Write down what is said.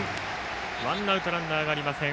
ワンアウトランナーがありません。